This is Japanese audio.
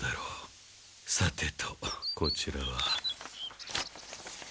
さてとこちらは。